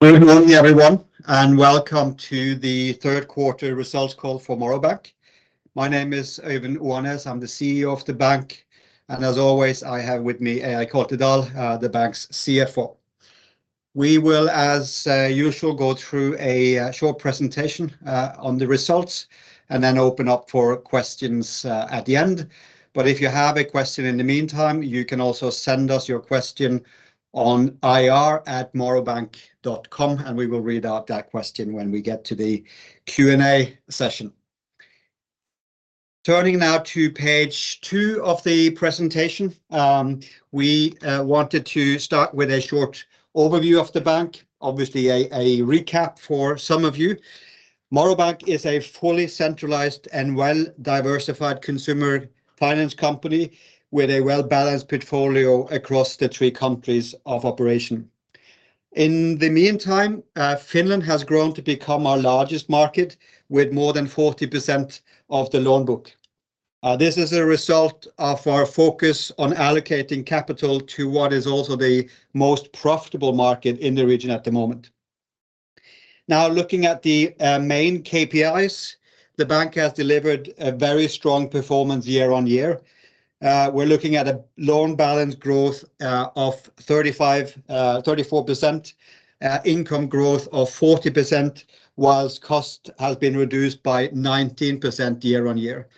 Good morning, everyone, and welcome to the Q3 results call for Morrow Bank. My name is Øyvind Oanes. I'm the CEO of the bank, and as always, I have with me Eirik Holtedahl, the bank's CFO. We will, as usual, go through a short presentation on the results, and then open up for questions at the end. But if you have a question in the meantime, you can also send us your question on ir@morrowbank.com, and we will read out that question when we get to the Q&A session. Turning now to page two of the presentation, we wanted to start with a short overview of the bank. Obviously, a recap for some of you. Morrow Bank is a fully centralized and well-diversified consumer finance company with a well-balanced portfolio across the three countries of operation. In the meantime, Finland has grown to become our largest market, with more than 40% of the loan book. This is a result of our focus on allocating capital to what is also the most profitable market in the region at the moment. Now, looking at the main KPIs, the bank has delivered a very strong performance year-on-year. We're looking at a loan balance growth of 35, 34%, income growth of 40%, while cost has been reduced by 19% year-on-year.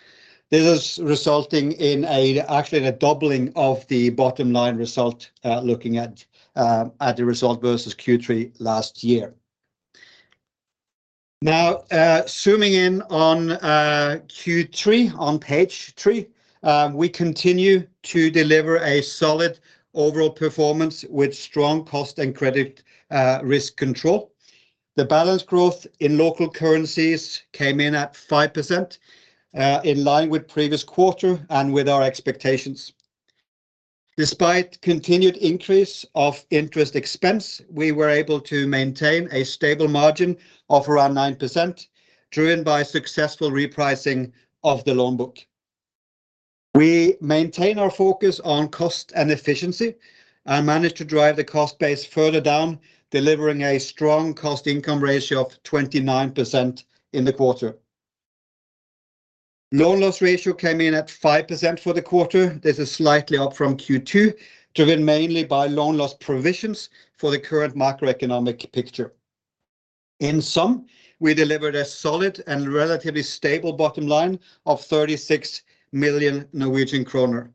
This is resulting in actually in a doubling of the bottom line result, looking at the result versus Q3 last year. Now, zooming in on Q3 on page three, we continue to deliver a solid overall performance with strong cost and credit risk control. The balance growth in local currencies came in at 5%, in line with previous quarter and with our expectations. Despite continued increase of interest expense, we were able to maintain a stable margin of around 9%, driven by successful repricing of the loan book. We maintain our focus on cost and efficiency and managed to drive the cost base further down, delivering a strong cost income ratio of 29% in the quarter. Loan loss ratio came in at 5% for the quarter. This is slightly up from Q2, driven mainly by loan loss provisions for the current macroeconomic picture. In sum, we delivered a solid and relatively stable bottom line of 36 million Norwegian kroner.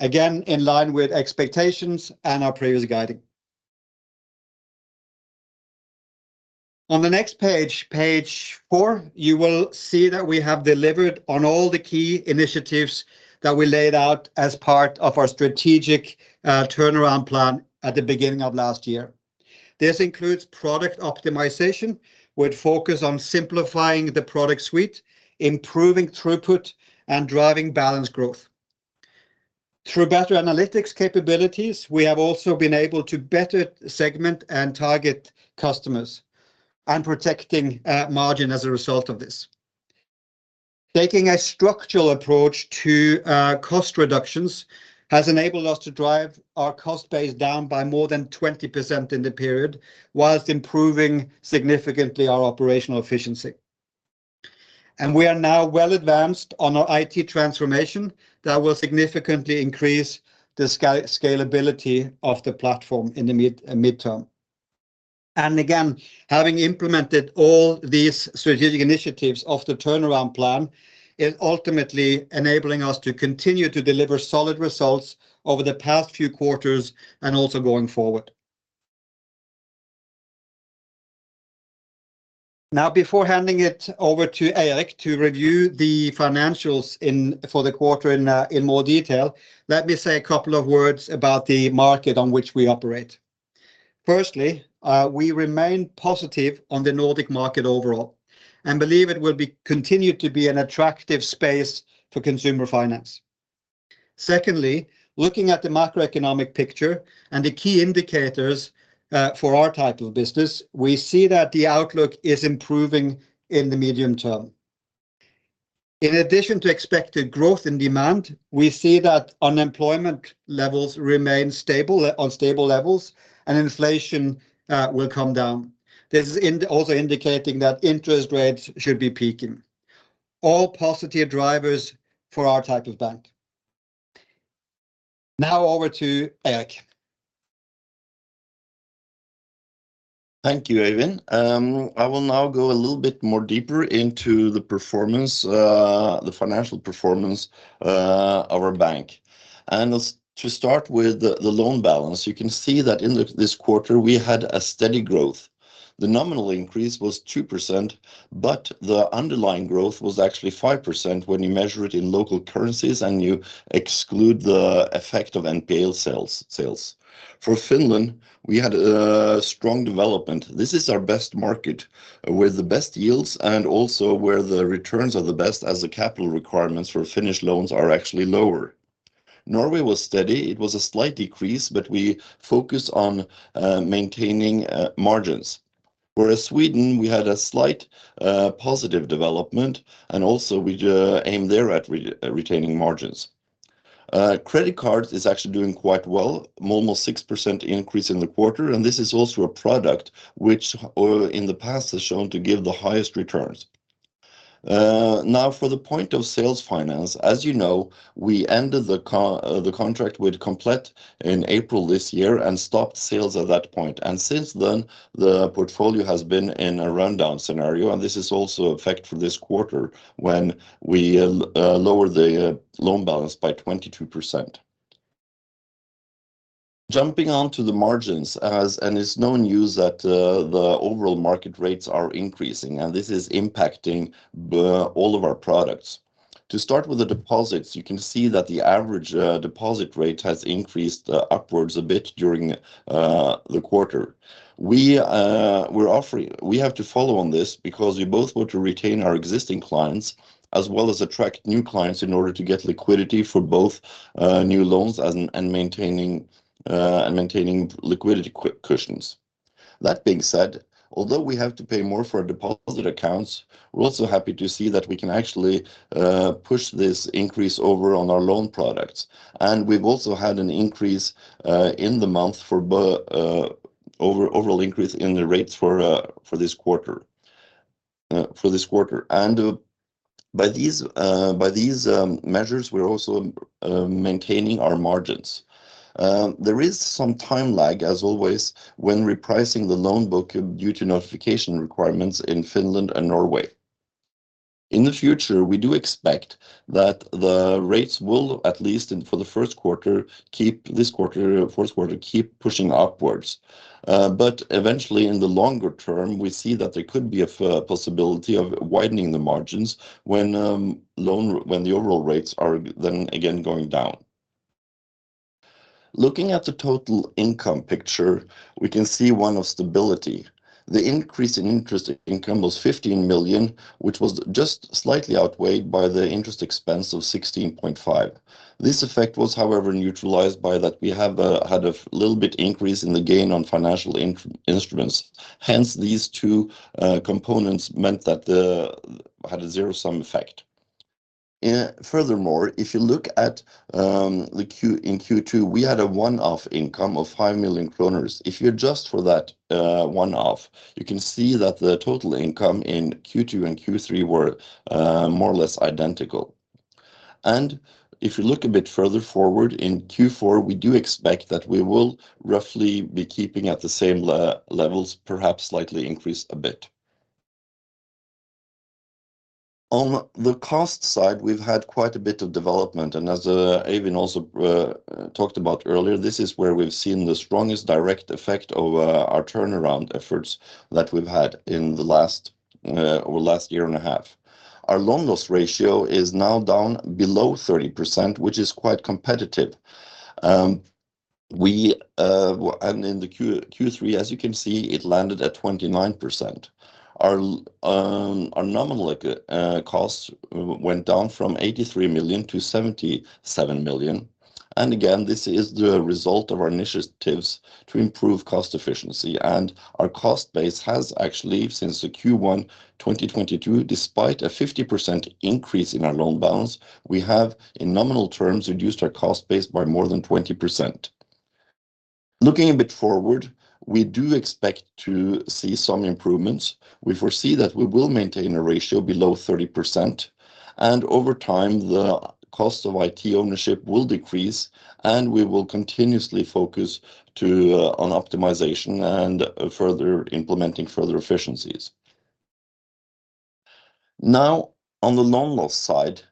Again, in line with expectations and our previous guiding. On the next page, page four, you will see that we have delivered on all the key initiatives that we laid out as part of our strategic turnaround plan at the beginning of last year. This includes product optimization, with focus on simplifying the product suite, improving throughput, and driving balance growth. Through better analytics capabilities, we have also been able to better segment and target customers and protecting margin as a result of this. Taking a structural approach to cost reductions has enabled us to drive our cost base down by more than 20% in the period, while improving significantly our operational efficiency. We are now well advanced on our IT transformation that will significantly increase the scalability of the platform in the mid-term. Again, having implemented all these strategic initiatives of the turnaround plan, is ultimately enabling us to continue to deliver solid results over the past few quarters and also going forward. Now, before handing it over to Eirik to review the financials for the quarter in more detail, let me say a couple of words about the market on which we operate. Firstly, we remain positive on the Nordic market overall and believe it will continue to be an attractive space for consumer finance. Secondly, looking at the macroeconomic picture and the key indicators for our type of business, we see that the outlook is improving in the medium term. In addition to expected growth and demand, we see that unemployment levels remain stable, on stable levels, and inflation will come down. This is also indicating that interest rates should be peaking. All positive drivers for our type of bank. Now over to Eirik. Thank you, Øyvind. I will now go a little bit more deeper into the performance, the financial performance, of our bank. To start with the loan balance, you can see that in this quarter, we had a steady growth. The nominal increase was 2%, but the underlying growth was actually 5% when you measure it in local currencies, and you exclude the effect of NPL sales. For Finland, we had a strong development. This is our best market, with the best yields, and also where the returns are the best, as the capital requirements for Finnish loans are actually lower. Norway was steady. It was a slight decrease, but we focus on maintaining margins. Whereas Sweden, we had a slight positive development, and also we aim there at retaining margins. Credit cards is actually doing quite well, almost 6% increase in the quarter, and this is also a product which, in the past, has shown to give the highest returns. Now, for the point-of-sale finance, as you know, we ended the contract with Komplett in April this year and stopped sales at that point, and since then, the portfolio has been in a rundown scenario, and this is also affect for this quarter when we lowered the loan balance by 22%. Jumping on to the margins, as and it's no news that the overall market rates are increasing, and this is impacting all of our products. To start with the deposits, you can see that the average deposit rate has increased upwards a bit during the quarter. We have to follow on this because we both want to retain our existing clients, as well as attract new clients in order to get liquidity for both new loans and maintaining liquidity cushions. That being said, although we have to pay more for deposit accounts, we're also happy to see that we can actually push this increase over on our loan products and we've also had an increase in the month for both overall increase in the rates for this quarter. And by these measures, we're also maintaining our margins. There is some time lag, as always, when repricing the loan book due to notification requirements in Finland and Norway. In the future, we do expect that the rates will, at least in for the Q1, keep this quarter, Q4, keep pushing upwards. But eventually, in the longer term, we see that there could be a possibility of widening the margins when when the overall rates are then again going down. Looking at the total income picture, we can see one of stability. The increase in interest income was 15 million, which was just slightly outweighed by the interest expense of 16.5 million. This effect was, however, neutralized by that we have had a little bit increase in the gain on financial instruments. Hence, these two components meant that had a zero-sum effect. Furthermore, if you look in Q2, we had a one-off income of 5 million kroner. If you adjust for that one-off, you can see that the total income in Q2 and Q3 were more or less identical and if you look a bit further forward in Q4, we do expect that we will roughly be keeping at the same levels, perhaps slightly increased a bit. On the cost side, we've had quite a bit of development, and as Øyvind also talked about earlier, this is where we've seen the strongest direct effect of our turnaround efforts that we've had in the last year and a half. Our loan loss ratio is now down below 30%, which is quite competitive and in the Q3, as you can see, it landed at 29%. Our nominal cost went down from 83 million to 77 million. Again, this is the result of our initiatives to improve cost efficiency, and our cost base has actually, since Q1 2022, despite a 50% increase in our loan balance, we have, in nominal terms, reduced our cost base by more than 20%. Looking a bit forward, we do expect to see some improvements. We foresee that we will maintain a ratio below 30%, and over time, the cost of IT ownership will decrease, and we will continuously focus on optimization and further implementing further efficiencies. Now, on the loan loss side,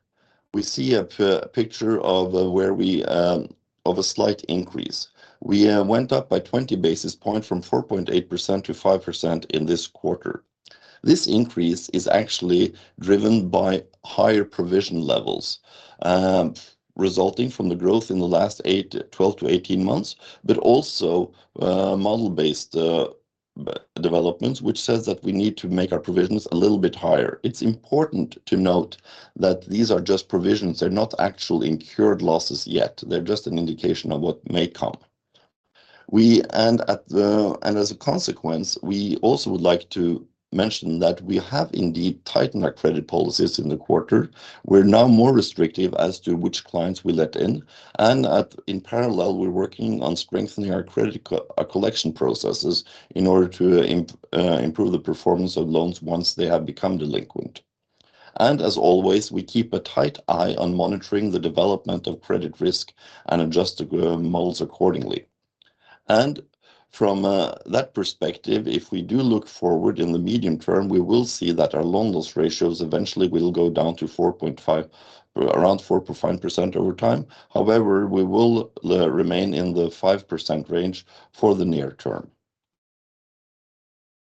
we see a picture of a slight increase. We went up by 20 basis points from 4.8% to 5% in this quarter. This increase is actually driven by higher provision levels, resulting from the growth in the last eight, 12-18 months, but also model-based developments, which says that we need to make our provisions a little bit higher. It's important to note that these are just provisions. They're not actual incurred losses yet. They're just an indication of what may come and as a consequence, we also would like to mention that we have indeed tightened our credit policies in the quarter. We're now more restrictive as to which clients we let in, and in parallel, we're working on strengthening our collection processes in order to improve the performance of loans once they have become delinquent and as always, we keep a tight eye on monitoring the development of credit risk and adjust the models accordingly. From that perspective, if we do look forward in the medium term, we will see that our loan loss ratios eventually will go down to 4.5, around 4.5% over time. However, we will remain in the 5% range for the near term.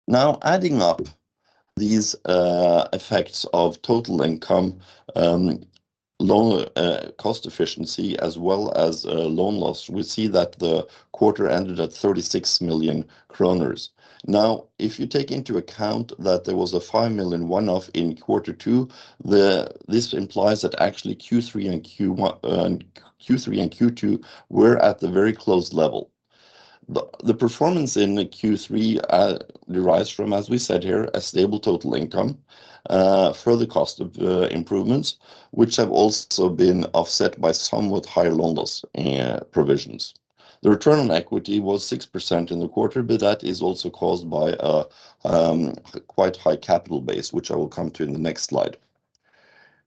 Now, adding up these effects of total income, loan, cost efficiency, as well as, loan loss, we see that the quarter ended at 36 million kroner. Now, if you take into account that there was a 5 million one-off in Q2, this implies that actually Q3 and Q1, and Q3 and Q2 were at a very close level. The performance in Q3 derives from, as we said here, a stable total income, for the cost of improvements, which have also been offset by somewhat higher losses and provisions. The Return on Equity was 6% in the quarter, but that is also caused by a quite high capital base, which I will come to in the next slide.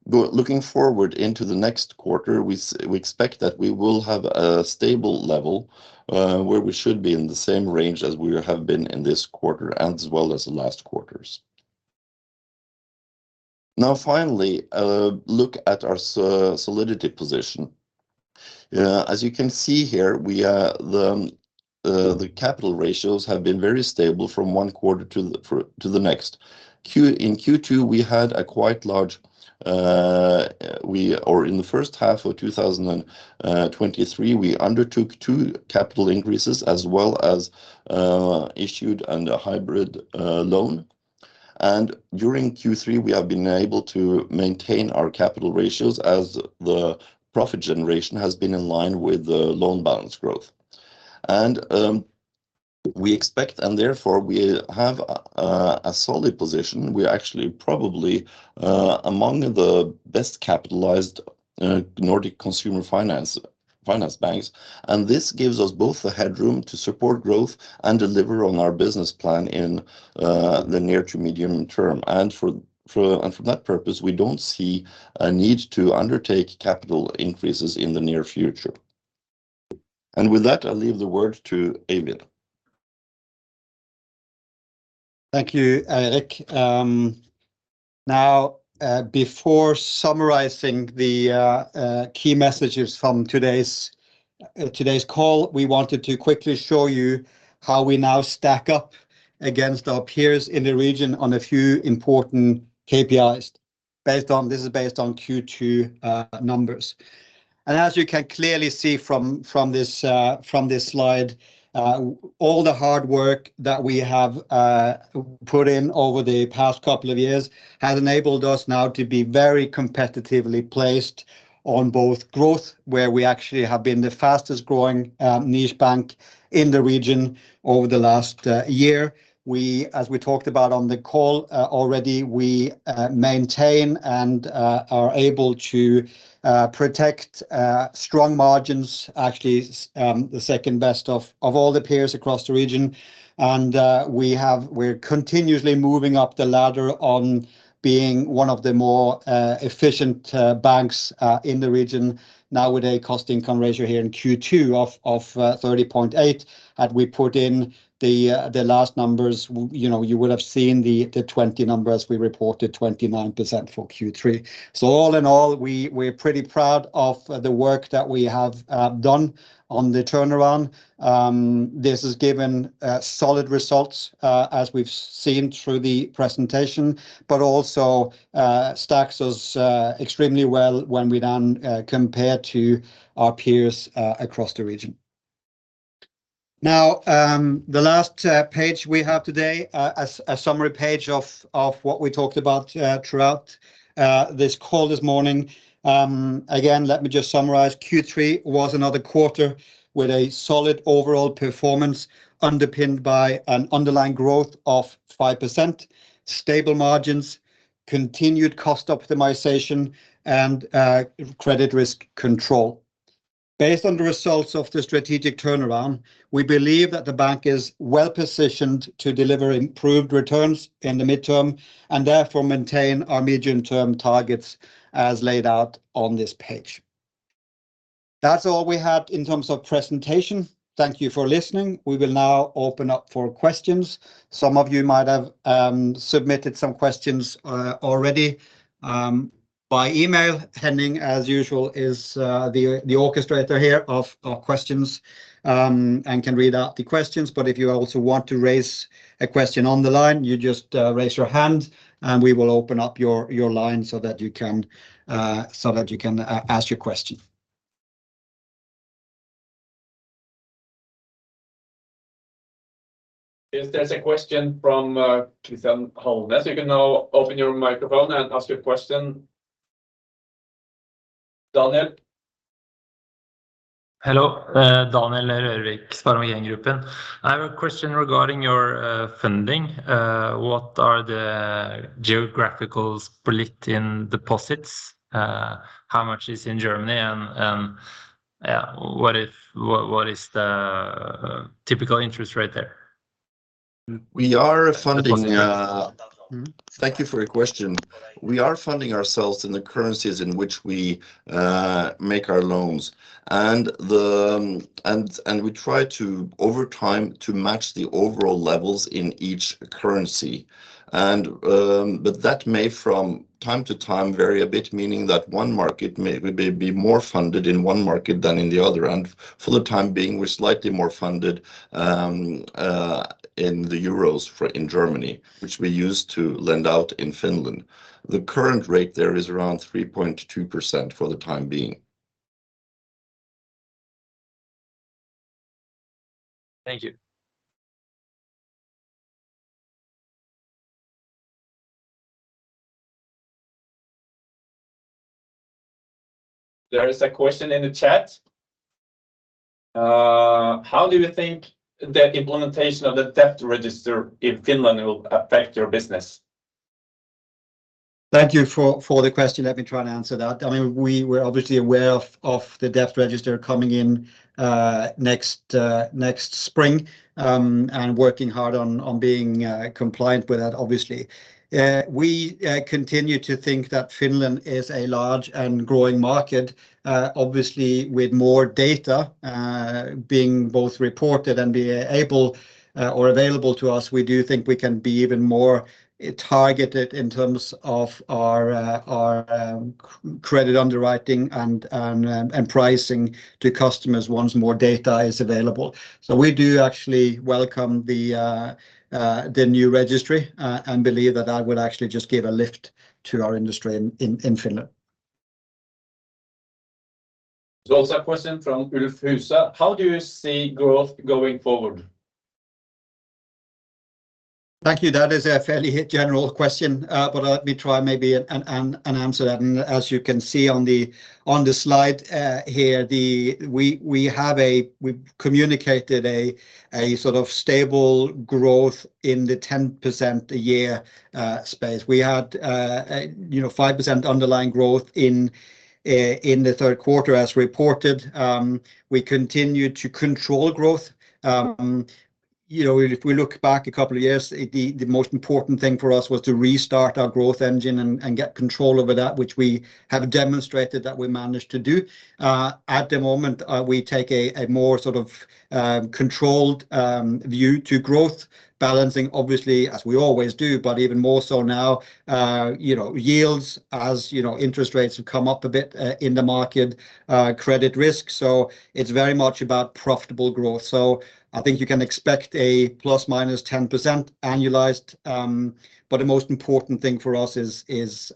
But looking forward into the next quarter, we expect that we will have a stable level, where we should be in the same range as we have been in this quarter and as well as the last quarters. Now, finally, a look at our solidity position. As you can see here, the capital ratios have been very stable from one quarter to the next. In Q2, we had a quite large or in the H1 of 2023, we undertook 2 capital increases as well as issued under a hybrid loan. During Q3, we have been able to maintain our capital ratios as the profit generation has been in line with the loan balance growth. We expect, and therefore we have a solid position. We are actually probably among the best capitalized Nordic consumer finance, finance banks, and this gives us both the headroom to support growth and deliver on our business plan in the near to medium term. For that purpose, we don't see a need to undertake capital increases in the near future. With that, I'll leave the word to Øyvind. Thank you, Eirik. Now, before summarizing the key messages from today's call, we wanted to quickly show you how we now stack up against our peers in the region on a few important KPIs. This is based on Q2 numbers. As you can clearly see from this slide, all the hard work that we have put in over the past couple of years has enabled us now to be very competitively placed on both growth, where we actually have been the fastest growing niche bank in the region over the last year. We, as we talked about on the call already, maintain and are able to protect strong margins. Actually, the second best of all the peers across the region. We're continuously moving up the ladder on being one of the more efficient banks in the region. Now, with a cost/income ratio here in Q2 of 30.8, had we put in the last numbers, you know, you would have seen the 20 numbers. We reported 29% for Q3 so all in all, we're pretty proud of the work that we have done on the turnaround. This has given solid results as we've seen through the presentation, but also stacks us extremely well when we then compare to our peers across the region. Now, the last page we have today, a summary page of what we talked about throughout this call this morning. Again, let me just summarize. Q3 was another quarter with a solid overall performance, underpinned by an underlying growth of 5%, stable margins, continued cost optimization, and credit risk control. Based on the results of the strategic turnaround, we believe that the bank is well-positioned to deliver improved returns in the midterm, and therefore, maintain our medium-term targets as laid out on this page. That's all we had in terms of presentation. Thank you for listening. We will now open up for questions. Some of you might have submitted some questions already by email. Henning, as usual, is the orchestrator here of questions, and can read out the questions. But if you also want to raise a question on the line, you just raise your hand, and we will open up your line so that you can ask your question. Yes there's a question from Christian Holmes, you can now open your microphone and ask your question. Daniel? Hello, Daniel Rørvik, SpareBank 1 Gruppen. I have a question regarding your funding. What are the geographical split in deposits? How much is in Germany, and yeah, what is the typical interest rate there? We are funding. Thank you for your question. We are funding ourselves in the currencies in which we make our loans. We try to, over time, to match the overall levels in each currency. But that may, from time to time, vary a bit, meaning that one market may be more funded in one market than in the other. For the time being, we're slightly more funded in the Euros for in Germany, which we use to lend out in Finland. The current rate there is around 3.2% for the time being. Thank you. There is a question in the chat. How do you think the implementation of the debt register in Finland will affect your business? Thank you for the question. Let me try and answer that. I mean, we were obviously aware of the debt register coming in next spring, and working hard on being compliant with that, obviously. We continue to think that Finland is a large and growing market, obviously, with more data being both reported and being able or available to us. We do think we can be even more targeted in terms of our credit underwriting and pricing to customers once more data is available so we do actually welcome the new registry, and believe that that will actually just give a lift to our industry in Finland. There's also a question from Ulf Husa: How do you see growth going forward? Thank you. That is a fairly general question, but let me try maybe and answer that. As you can see on the slide here, we have a, we've communicated a sort of stable growth in the 10% a year space. We had, you know, 5% underlying growth in the Q3, as reported. We continued to control growth. You know, if we look back a couple of years, the most important thing for us was to restart our growth engine and get control over that, which we have demonstrated that we managed to do. At the moment, we take a more sort of controlled view to growth, balancing, obviously, as we always do, but even more so now, you know, yields, as, you know, interest rates have come up a bit, in the market, credit risk so it's very much about profitable growth. I think you can expect a ±10% annualized. But the most important thing for us is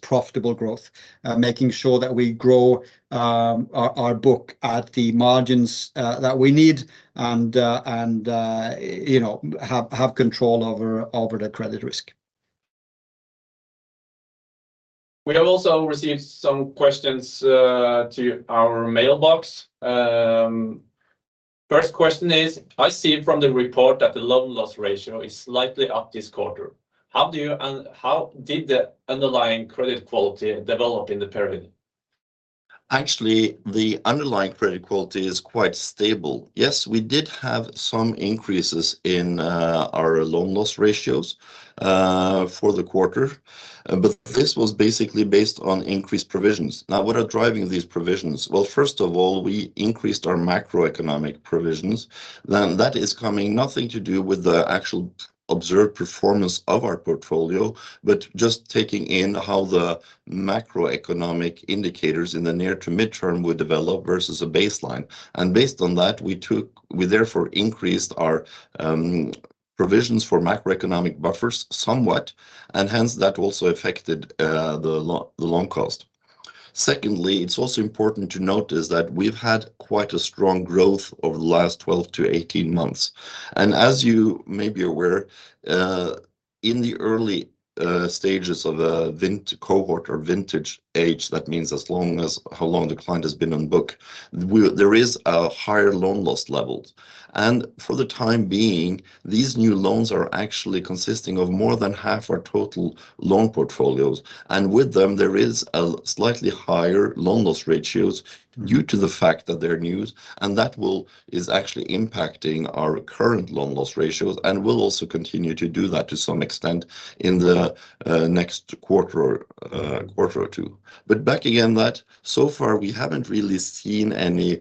profitable growth, making sure that we grow our book at the margins that we need and, you know, have control over the credit risk. We have also received some questions to our mailbox. First question is: I see from the report that the loan loss ratio is slightly up this quarter. How did the underlying credit quality develop in the period? Actually, the underlying credit quality is quite stable. Yes, we did have some increases in our loan loss ratios for the quarter, but this was basically based on increased provisions. Now, what are driving these provisions? Well, first of all, we increased our macroeconomic provisions. Then that has nothing to do with the actual observed performance of our portfolio, but just taking in how the macroeconomic indicators in the near to mid-term would develop versus a baseline nd based on that, we therefore increased our provisions for macroeconomic buffers somewhat, and hence that also affected the loan cost. Secondly, it's also important to notice that we've had quite a strong growth over the last 12-18 months, and as you may be aware, in the early stages of a vintage cohort or vintage age, that means as long as how long the client has been on book, there is a higher loan loss levels. For the time being, these new loans are actually consisting of more than half our total loan portfolios, and with them there is a slightly higher loan loss ratios due to the fact that they're new, and that is actually impacting our current loan loss ratios and will also continue to do that to some extent in the next quarter or two. But back again, that so far, we haven't really seen any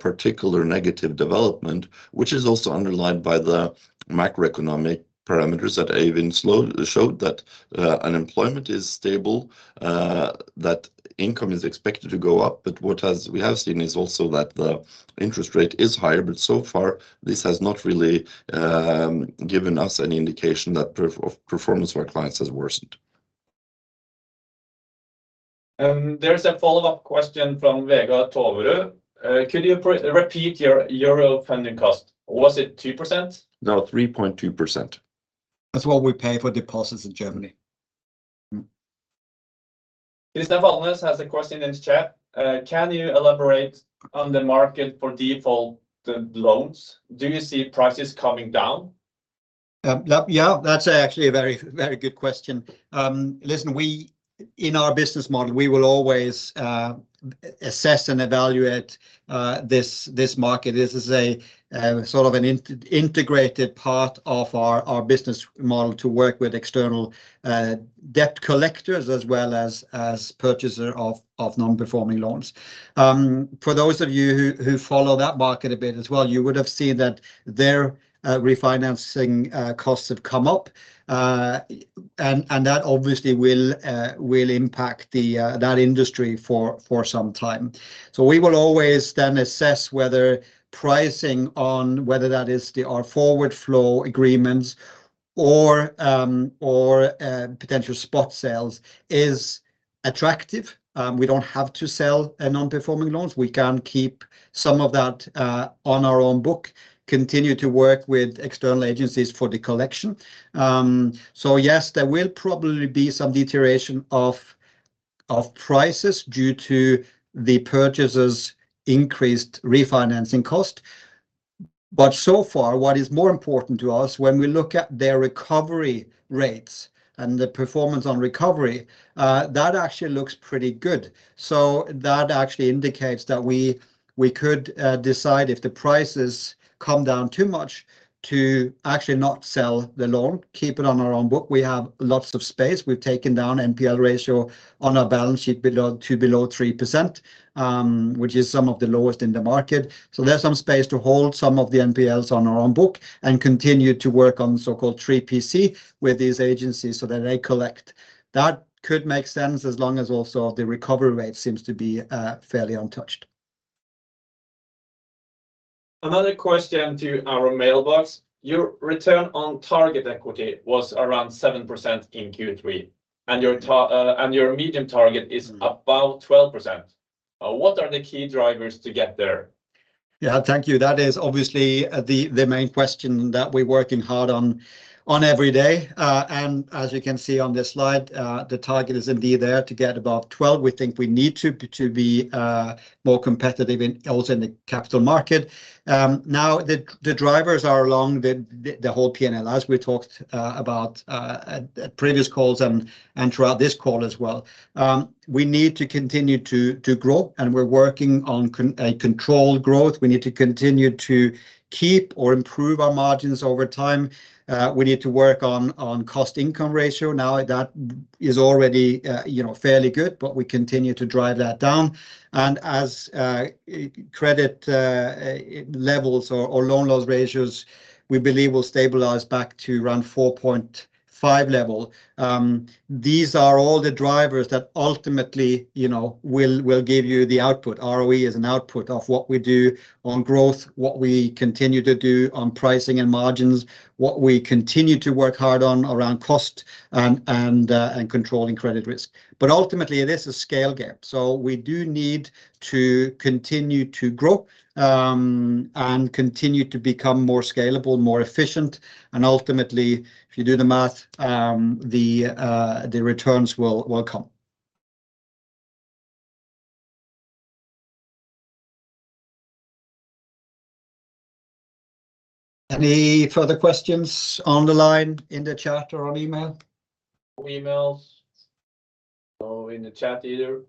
particular negative development, which is also underlined by the macroeconomic parameters that even showed that unemployment is stable, that income is expected to go up. But what has we have seen is also that the interest rate is higher, but so far, this has not really given us any indication that performance of our clients has worsened. There is a follow-up question from Vegard Toverud. Could you re-repeat your Euro funding cost? Was it 2%? No, 3.2%. That's what we pay for deposits in Germany. Christopher Agnes has a question in the chat. Can you elaborate on the market for default loans? Do you see prices coming down? Yeah, that's actually a very, very good question. Listen, we, in our business model, we will always assess and evaluate this, this market. This is a sort of an integrated part of our, our business model to work with external debt collectors as well as purchaser of non-performing loans. For those of you who, who follow that market a bit as well, you would have seen that their refinancing costs have come up and that obviously will impact that industry for some time so we will always then assess whether pricing on whether that is our forward flow agreements or potential spot sales is attractive. We don't have to sell non-performing loans. We can keep some of that on our own book, continue to work with external agencies for the collection. So yes, there will probably be some deterioration of prices due to the purchasers increased refinancing cost but so far, what is more important to us when we look at their recovery rates and the performance on recovery, that actually looks pretty good, so that actually indicates that we could decide if the prices come down too much to actually not sell the loan, keep it on our own book. We have lots of space. We've taken down NPL ratio on our balance sheet below to below 3%, which is some of the lowest in the market. There's some space to hold some of the NPLs on our own book and continue to work on the so-called 3PC with these agencies so that they collect. That could make sense as long as also the recovery rate seems to be fairly untouched. Another question to our mailbox. Your return on target equity was around 7% in Q3, and your medium target is about 12%. What are the key drivers to get there? Yeah, thank you. That is obviously the main question that we're working hard on every day and as you can see on this slide, the target is indeed there to get above 12. We think we need to be more competitive in also in the capital market. Now, the drivers are along the whole PNL, as we talked about at previous calls and throughout this call as well. We need to continue to grow, and we're working on controlled growth. We need to continue to keep or improve our margins over time. We need to work on cost/income ratio. Now, that is already, you know, fairly good, but we continue to drive that down. As credit levels or loan loss ratios, we believe will stabilize back to around 4.5 level. These are all the drivers that ultimately, you know, will give you the output. ROE is an output of what we do on growth, what we continue to do on pricing and margins, what we continue to work hard on around cost and controlling credit risk. But ultimately, it is a scale gap, so we do need to continue to grow and continue to become more scalable, more efficient, and ultimately, if you do the math, the returns will come. Any further questions on the line, in the chat or on email? No emails or in the chat either.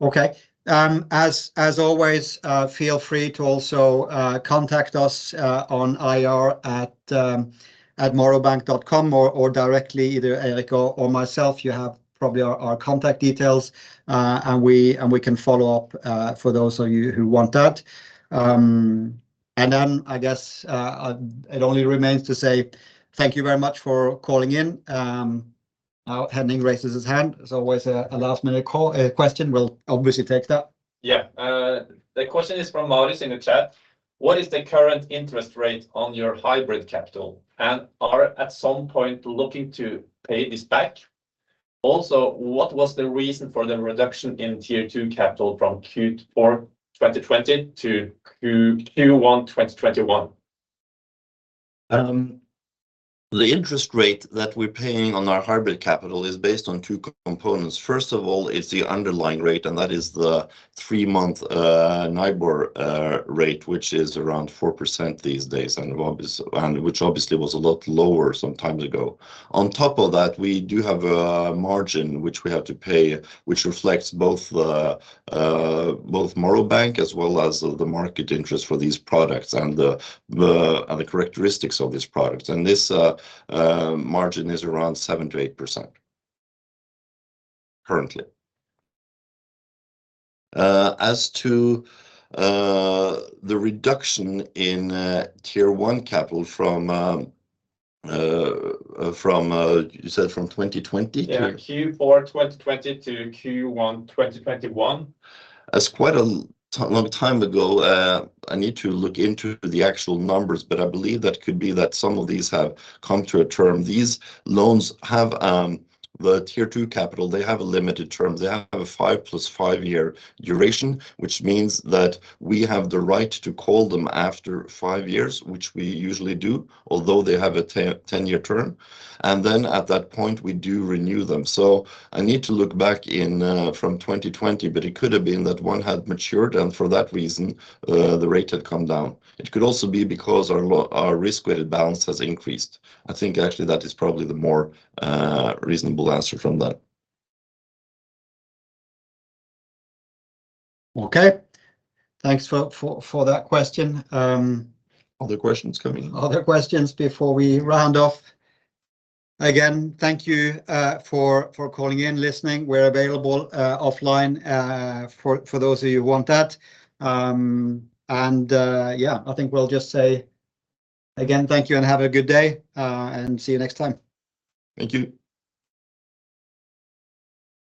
Okay. As always, feel free to also contact us on ir@morrowbank.com or directly, either Eirik or myself. You have probably our contact details, and we can follow up for those of you who want that. Then, I guess, it only remains to say thank you very much for calling in. Now Henning raises his hand. There's always a last-minute call question. We'll obviously take that. Yeah. The question is from Maurice in the chat. What is the current interest rate on your hybrid capital, and are at some point looking to pay this back? Also, what was the reason for the reduction in Tier 2 capital from Q4 2020 to Q1 2021? The interest rate that we're paying on our hybrid capital is based on two components. First of all, is the underlying rate, and that is the three-month NIBOR rate, which is around 4% these days, and which obviously was a lot lower some time ago. On top of that, we do have a margin which we have to pay, which reflects both Morrow Bank as well as the market interest for these products and the characteristics of this product, and this margin is around 7%-8% currently. As to the reduction in Tier 1 capital from, you said from 2020? Yeah, Q4 2020 to Q1 2021. That's quite a long time ago. I need to look into the actual numbers, but I believe that could be that some of these have come to a term. These loans have the Tier 2 capital, they have a limited term. They have a five plus five-year duration, which means that we have the right to call them after five years, which we usually do, although they have a ten-year term, and then at that point, we do renew them so I need to look back in from 2020, but it could have been that one had matured, and for that reason the rate had come down. It could also be because our risk-weighted balance has increased. I think actually that is probably the more reasonable answer from that. Okay. Thanks for that question. Other questions coming in. Other questions before we round off? Again, thank you for calling in, listening. We're available offline for those of you who want that. Yeah, I think we'll just say again, thank you and have a good day, and see you next time. Thank you.